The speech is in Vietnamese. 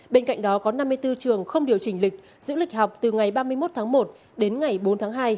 bên cạnh đó có năm mươi bốn trường không điều chỉnh lịch giữ lịch học từ ngày ba mươi một tháng một đến ngày bốn tháng hai